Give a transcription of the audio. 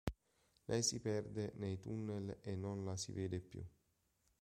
Lei si perde nei tunnel e non la si vede più.